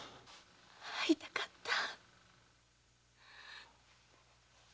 会いたかった。